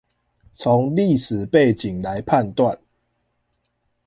從歷史背景來判斷